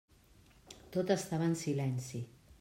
Tot estava en silenci.